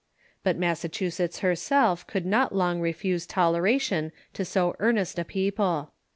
But Massachusetts herself could not long refuse toleration to so earnest a people.